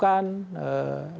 langkah langkah yang dilakukan